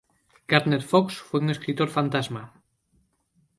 Gardner Fox fue un escritor fantasma.